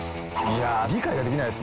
理解ができないです。